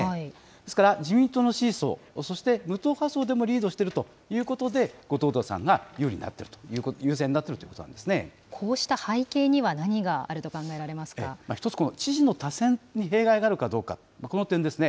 ですから自民党の支持層、そして、無党派層でもリードしているということで、後藤田さんが有利になっている、優勢になっているといこうした背景には、何がある一つ、知事の多選に弊害があるか、この点ですね。